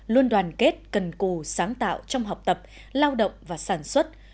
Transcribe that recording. luôn đoàn kết cần cù sáng tạo trong học tập lao động và sản xuất